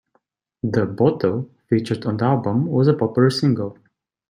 "The Bottle" featured on the album, was a popular single.